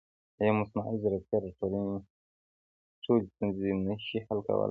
ایا مصنوعي ځیرکتیا د ټولنې ټولې ستونزې نه شي حل کولی؟